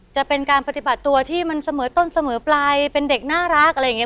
จะเป็นการปฏิบัติตัวที่มันเสมอต้นเสมอปลายเป็นเด็กน่ารักอะไรอย่างนี้